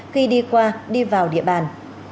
khi đi qua đi vào địa bàn